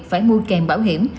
phải mua kèm bảo hiểm